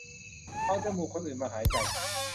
เอาจมูกคนอื่นมาหายใจ